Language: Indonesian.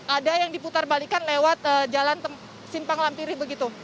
ada yang diputar balikan lewat jalan simpang lampiri begitu